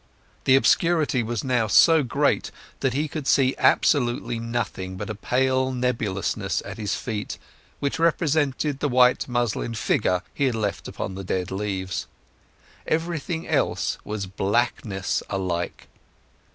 The obscurity was now so great that he could see absolutely nothing but a pale nebulousness at his feet, which represented the white muslin figure he had left upon the dead leaves. Everything else was blackness alike.